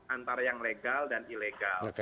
antara yang legal dan ilegal